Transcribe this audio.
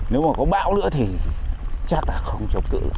nếu mà có bão nữa thì chắc là không chống cự